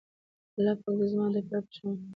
الله پاک د زما د پلار په شمول